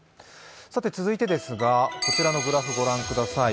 続いてですがこちらのグラフをご覧ください。